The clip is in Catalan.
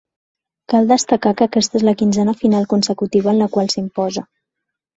Cal destacar que aquesta és la quinzena final consecutiva en la qual s'imposa.